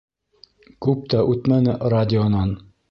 Күп тә үтмәне, радионан: